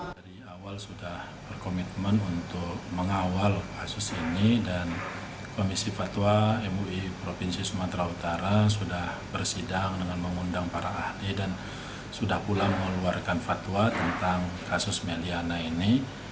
dari awal sudah berkomitmen untuk mengawal kasus ini dan komisi fatwa mui provinsi sumatera utara sudah bersidang dengan mengundang para ahli dan sudah pula mengeluarkan fatwa tentang kasus meliana ini